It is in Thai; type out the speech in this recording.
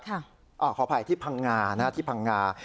ขออภัยที่พังงาที่พังงา